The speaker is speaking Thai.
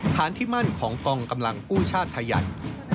ที่มั่นของกองกำลังกู้ชาติไทยใหญ่